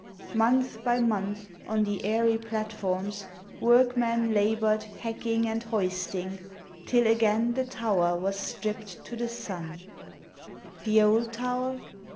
Month by month on the airy platforms Workmen labour'd hacking and hoisting Till again the tower was stript to the sun: The old tow'r?